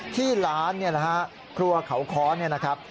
ที่ร้านเนี่ยนะฮะครัวเขาค้อนเนี่ยนะครับ